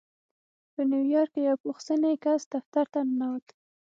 په نيويارک کې يو پوخ سنی کس دفتر ته ننوت.